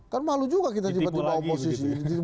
kan malu juga kita tiba tiba oposisi